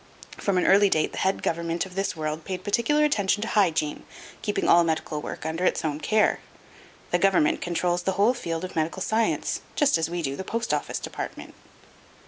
From an early date the head government of this world paid particular attention to hygiene, keeping all medical work under its own care. The government controls the whole field of medical science just as we do the post office department.